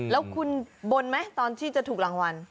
แล้วคุณบนไหมตอนที่จะถูกรางวัล